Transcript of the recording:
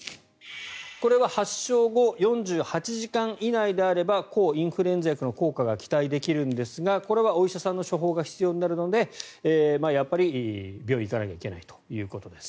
これは発症後４８時間以内であれば抗インフルエンザ薬の効果が期待できるんですがこれはお医者さんの処方が必要になるのでやっぱり病院に行かなきゃいけないということです。